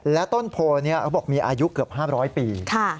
และต้นโพโบราณนี้มีอายุเกือบ๕๐๐ปี